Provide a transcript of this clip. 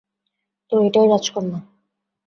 তো, এটাই রাজকন্যা।